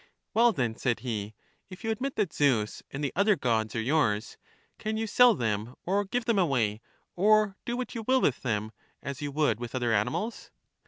Well then, said he, if you admit that Zeus and the other gods are yours, can you sell them or give them away, or do what you will with them, as you would with other animals?